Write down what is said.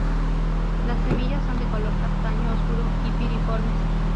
Las semillas son de color castaño oscuro y piriformes.